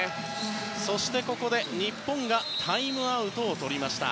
そして、ここで日本がタイムアウトをとりました。